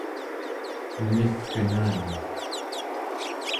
umivkenani